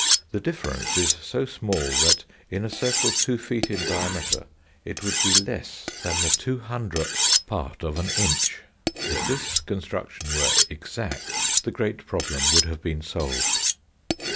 The difference is so small, that in a circle two feet in diameter, it would be less than the two hundredth part of an inch. If this construction were exact, the great problem would have been solved.